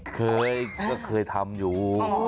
เคยก็เคยทำอยู่